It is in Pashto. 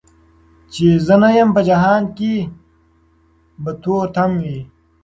چي زه نه یم په جهان کي به تور تم وي